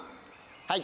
はい。